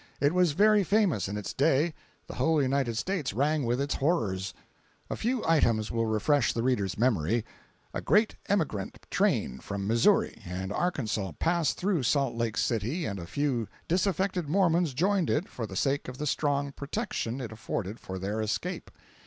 It was very famous in its day. The whole United States rang with its horrors. A few items will refresh the reader's memory. A great emigrant train from Missouri and Arkansas passed through Salt Lake City and a few disaffected Mormons joined it for the sake of the strong protection it afforded for their escape.